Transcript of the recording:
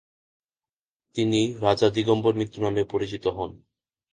তিনি রাজা দিগম্বর মিত্র নামে পরিচিত হন।